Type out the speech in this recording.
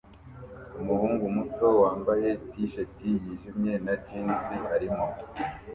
Umuhungu muto wambaye t-shati yijimye na jans arimo